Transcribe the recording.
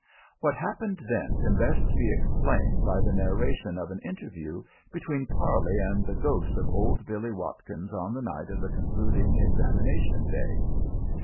What happened then can best be explained by the narration of an interview between Parley and the ghost of old Billie Watkins on the night of the concluding examination day.